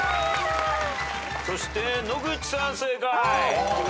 そして野口さん正解。